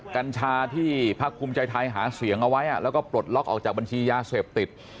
กัญชาที่พักภูมิใจไทยหาเสียงเอาไว้แล้วก็ปลดล็อกออกจากบัญชียาเสพติด